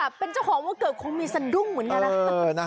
เป็นเจ้าของวันเกิดคงมีสะดุ้งเหมือนกันนะ